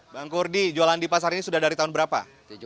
bang kurdi jualan di pasar ini sudah dari tahun berapa